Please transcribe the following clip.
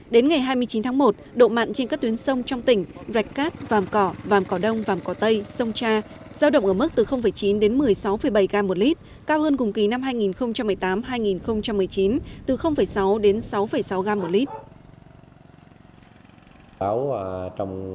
đến ngày hai mươi chín tháng một độ mặn trên các tuyến sông trong tỉnh rạch cát vàm cỏ vàm cỏ đông vàm cỏ tây sông cha giao động ở mức từ chín đến một mươi sáu bảy gram một lít cao hơn cùng kỳ năm hai nghìn một mươi tám hai nghìn một mươi chín từ sáu đến sáu sáu gram một lít